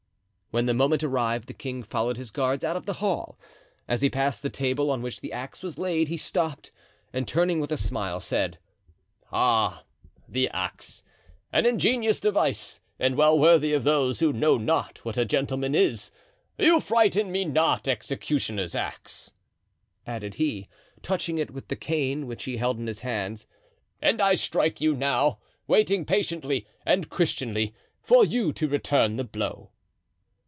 When the moment arrived the king followed his guards out of the hall. As he passed the table on which the axe was laid, he stopped, and turning with a smile, said: "Ah! the axe, an ingenious device, and well worthy of those who know not what a gentleman is; you frighten me not, executioner's axe," added he, touching it with the cane which he held in his hand, "and I strike you now, waiting patiently and Christianly for you to return the blow."